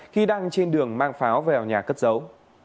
khi đang trên đường mang pháo về vào nhà cất giấu